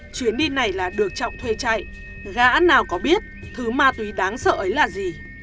chuyến đi này là được trọng thuê chạy gã nào có biết thứ ma túy đáng sợ ấy là gì